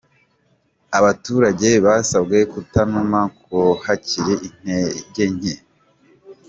Abaturage basabwe kutanuma ku hakiri intege nke